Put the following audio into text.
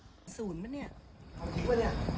เอาทิ้งมั้ยนี่